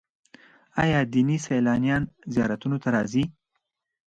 آیا دیني سیلانیان زیارتونو ته راځي؟